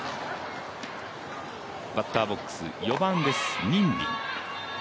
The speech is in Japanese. バッターボックス４番です任敏。